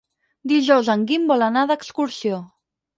Dijous en Guim vol anar d'excursió.